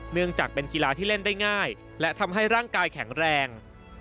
เนื่องจากเป็นกีฬาที่เล่นได้ง่ายและทำให้ร่างกายแข็งแรง